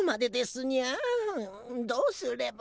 どうすれば。